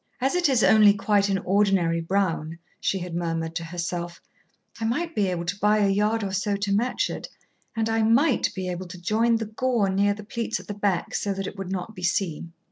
"As it is only quite an ordinary brown," she had murmured to herself, "I might be able to buy a yard or so to match it, and I might be able to join the gore near the pleats at the back so that it would not be seen."